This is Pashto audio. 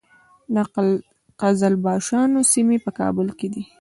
د قزلباشانو سیمې په کابل کې دي